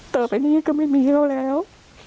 ต่อไปนี้ก็ไม่มีเขาแล้ว